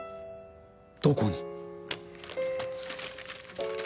どこに？